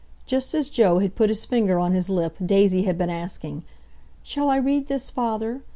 Just as Joe had put his finger on his lip Daisy had been asking, "Shall I read this, father?"